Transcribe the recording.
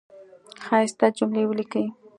ښایسته جملی ولیکی